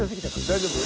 大丈夫？